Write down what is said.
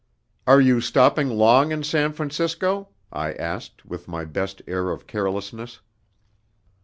"Are you stopping long in San Francisco?" I asked, with my best air of carelessness.